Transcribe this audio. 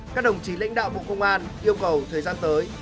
các đồng chí lãnh đạo bộ công an yêu cầu thời gian tới